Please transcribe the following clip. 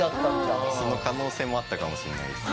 その可能性もあったかもしれないです。